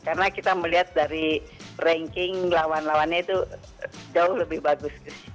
karena kita melihat dari ranking lawan lawannya itu jauh lebih bagus